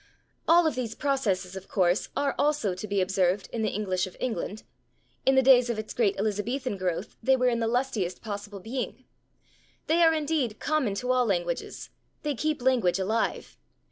All of these processes, of course, are also to be observed in the English of England; in the days of its great Elizabethan growth they were in the lustiest possible being. They are, indeed, common to all languages; they keep language alive.